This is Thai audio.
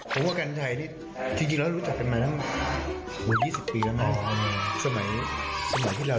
ผมว่ากัญชัยจริงจริงรู้จักประมาณ๒๐ปีสมัยที่เรา